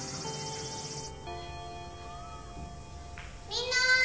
みんな！